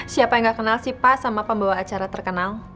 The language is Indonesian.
siapa yang gak kenal sih pak sama pembawa acara terkenal